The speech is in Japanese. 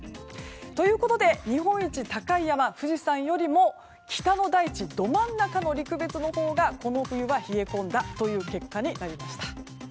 ということで日本一高い山富士山よりも北の大地、ど真ん中陸別のほうがこの冬は冷え込んだという結果になりました。